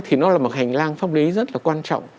thì nó là một hành lang pháp lý rất là quan trọng